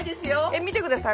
見てください。